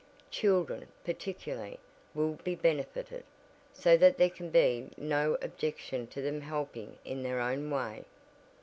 Children, particularly, will be benefited, so that there can be no objection to them helping in their own way."